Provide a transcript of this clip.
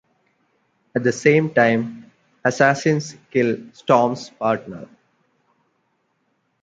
At the same time, assassins kill Storm's partner.